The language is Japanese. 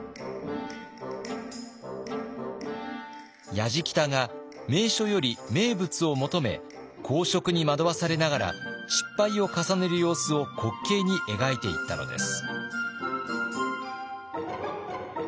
やじきたが名所より名物を求め好色に惑わされながら失敗を重ねる様子を滑稽に描いていったのです。